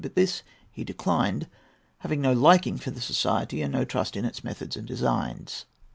But this he declined, having no liking for the society, and no trust in its methods and designs.